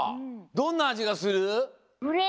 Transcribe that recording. どんな味がする？